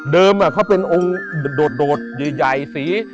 เขาเป็นองค์โดดใหญ่สี